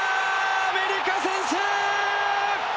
アメリカ選手！